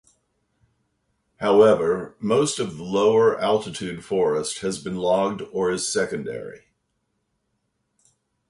However, most of the lower altitude forest has been logged or is secondary.